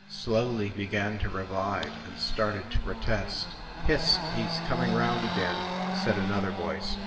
Slowly he began to revive, and started to protest. "Hist! He s coming round again," said another voice.